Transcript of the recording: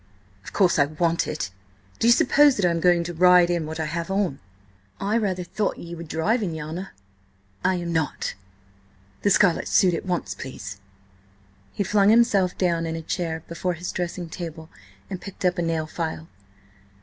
"Of course I want it! Do you suppose that I am going to ride in what I have on?" "I rather thought ye were driving, your honour." "I am not. The scarlet suit at once, please." He flung himself down in a chair before his dressing table and picked up a nail file.